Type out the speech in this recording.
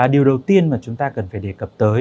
điều đầu tiên mà chúng ta cần phải đề cập tới